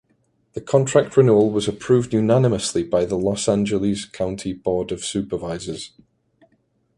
The contract renewal was approved unanimously by the Los Angeles County Board of Supervisors.